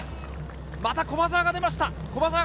また駒澤が出ました。